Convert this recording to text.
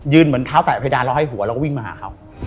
เหมือนเท้าแตะเพดานเราให้หัวเราก็วิ่งมาหาเขา